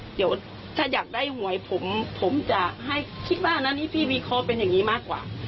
เดี๋ยวถ้าอยากได้หวยผมผมจะให้คิดว่าอันนี้พี่วิเคราะห์เป็นอย่างนี้มากกว่า